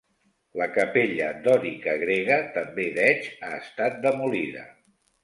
La capella dòrica grega, també d"Edge, ha estat demolida.